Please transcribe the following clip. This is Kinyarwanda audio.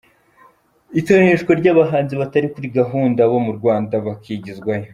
Itoneshwa ry’abahanzi batari kuri gahunda, abo mu Rwanda bakigizwayo.